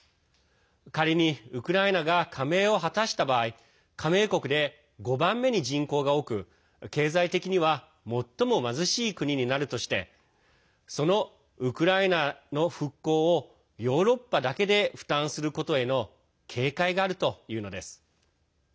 仮にウクライナが加盟を果たした場合加盟国で５番目に人口が多く経済的には最も貧しい国になるとしてそのウクライナの復興をヨーロッパだけで負担することへの警戒があるというのです。